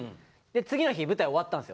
次の日舞台終わったんですよ。